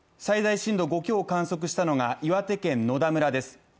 最大震度５強を観測したのが岩手県野田村です。